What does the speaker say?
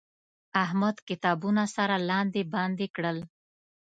احمد کتابونه سره لاندې باندې کړل.